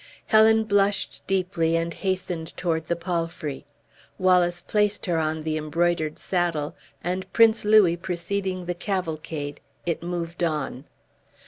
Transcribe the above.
Helen blushed deeply and hastened toward the palfrey. Wallace placed her on the embroidered saddle, and Prince Louis preceding the cavalcade, it moved on.